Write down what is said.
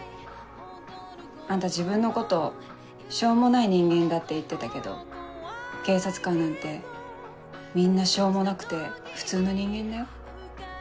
あんた自分のことしょうもない人間だって言ってたけど警察官なんてみんなしょうもなくて普通の人間だよ。